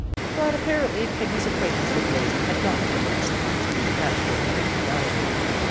But apparently Peggy's acquaintance with Mazie had not progressed to that point of informality.